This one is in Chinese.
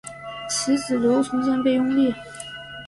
其子刘从谏被拥立。